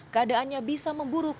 keadaannya bisa memburuk